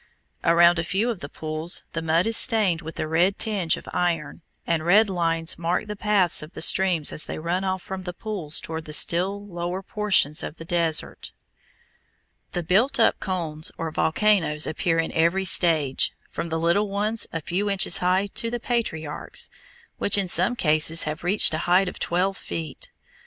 Around a few of the pools the mud is stained with the red tinge of iron, and red lines mark the paths of the streams as they run off from the pools toward the still lower portions of the desert. [Illustration: FIG. 31. POT HOLES] The built up cones or volcanoes appear in every stage, from the little ones a few inches high to the patriarchs, which in some cases have reached a height of twelve feet.